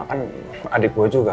kan adik gue juga